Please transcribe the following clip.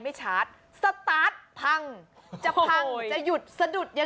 แยกหมู่ตกน้ำตายแยกปุ๊บตกน้ำอยู่ตัวเดียวปั๊บ